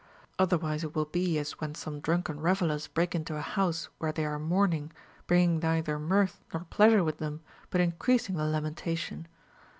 Otherwise it will be as when some drunken revellers break into a house where they are mourning, bringing neither mirtli nor pleasure with them, but increasing the lamentation.